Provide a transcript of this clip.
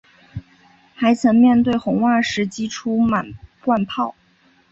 还曾面对红袜时击出满贯炮。